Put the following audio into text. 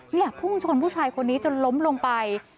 พุ่งชนผู้ชายคนนี้จนล้มลงไป